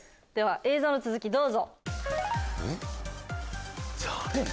映像の続きどうぞ。